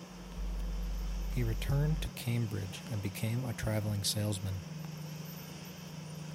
He returned to Cambridge, and became a traveling salesman.